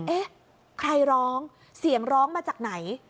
เอ๊ะใครร้องเสียงร้องมาจากไหน